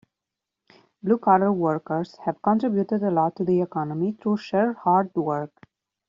Blue collar workers have contributed a lot to the economy through sheer hard work.